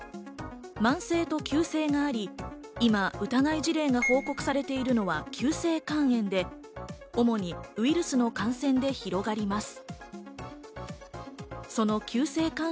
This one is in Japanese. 慢性と急性があり、今、疑い事例が報告されているのは急性肝炎で、主にウイルスの感染で広がります。